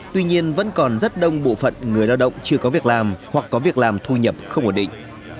tuy nhiên vẫn còn rất đông bộ phận người lao động chưa có việc làm hoặc có việc làm thu nhập không ổn định